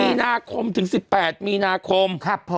มีนาคมถึง๑๘มีนาคม